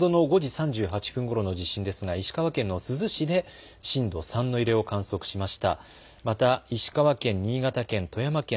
先ほどの５時３８分の地震ですが石川県の珠洲市で震度から１の揺れを観測しています。